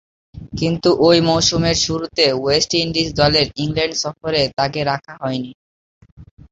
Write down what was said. কিন্তু, ঐ মৌসুমের শুরুতে ওয়েস্ট ইন্ডিজ দলের ইংল্যান্ড সফরে তাকে রাখা হয়নি।